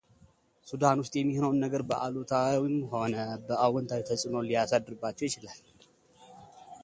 ሱዳን ውስጥ የሚሆነውን ነገር በአሉታም ሆነ በአዎንታ ተጽዕኖ ሊያሳድርባቸው ይችላል።